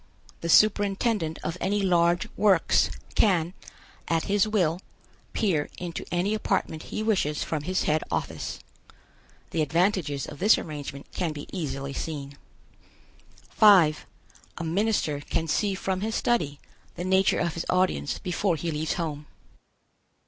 The superintendent of any large works can, at his will, peer into any apartment he wishes from his head office. The advantages of this arrangement can be easily seen. 5. A minister can see from his study the nature of his audience before he leaves home.